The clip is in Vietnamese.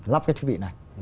lắp cái thiết bị này